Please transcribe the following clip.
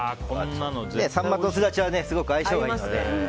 サンマとスダチはすごく相性がいいので。